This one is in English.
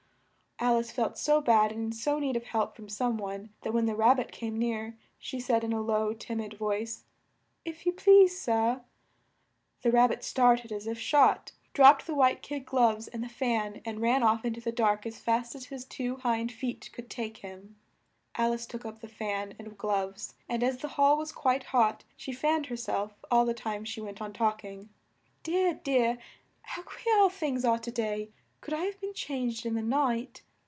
Al ice felt so bad and so in need of help from some one, that when the Rab bit came near, she said in a low tim id voice, "If you please, sir " The Rab bit started as if shot, dropped the white kid gloves and the fan and ran off in to the dark as fast as his two hind feet could take him. Al ice took up the fan and gloves and as the hall was quite hot, she fanned her self all the time she went on talk ing. "Dear, dear! How queer all things are to day! Could I have been changed in the night?